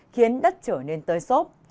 khiến đất trở nên tới sốt